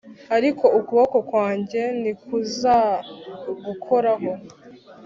ariko ukuboko kwanjye ntikuzagukoraho.